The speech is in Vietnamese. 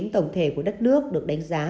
tổng thể của đất nước được đánh giá